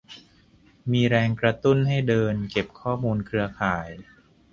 มีแรงกระตุ้นให้เดิน เก็บข้อมูลเครือข่าย